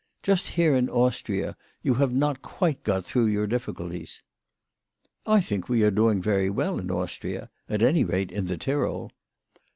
Just here in Austria, you have not quite got through your difficulties." " I think we are doing very well in Austria ; at any rate, in the Tyrol."